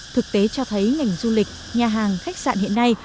thực tế cho thấy ngành du lịch nhà hàng khách sạn hiện nay